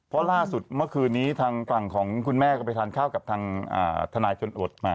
เพราะล่าสุดเมื่อคืนนี้ทางฝั่งของคุณแม่ก็ไปทานข้าวกับทางทนายชนอดมา